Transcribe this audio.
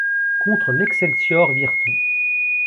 Contre l'Excelsior Virton.